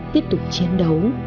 tiếp tục chiến đấu